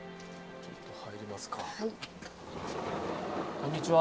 こんにちは。